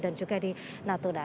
dan juga di natuna